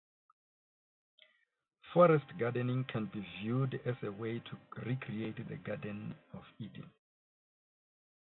Forest gardening can be viewed as a way to recreate the Garden of Eden.